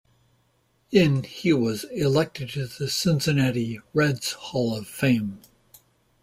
In he was elected to the Cincinnati Reds Hall of Fame.